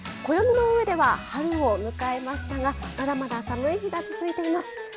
暦の上では春を迎えましたがまだまだ寒い日が続いています。